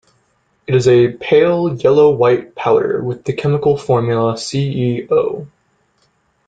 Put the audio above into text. It is a pale yellow-white powder with the chemical formula CeO.